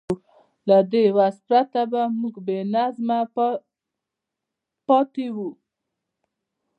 له دې وس پرته به موږ بېنظمه پاتې وو.